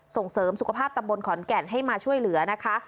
ส่งเสริมสุขภาพตำบลขอนแก่นให้มาช่วยเหลือนะคะ